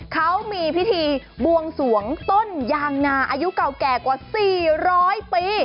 เขามีพิธีบวงสวงต้นยางนาอายุเก่าแก่กว่า๔๐๐ปี